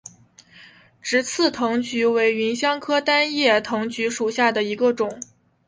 直刺藤橘为芸香科单叶藤橘属下的一个种。